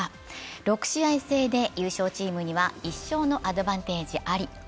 ６試合制で優勝チームには１勝のアドバンテージあり。